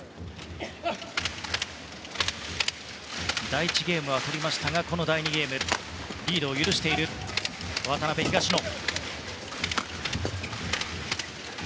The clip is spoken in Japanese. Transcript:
第１ゲームは取りましたがこの第２ゲームはリードを許している渡辺、東野。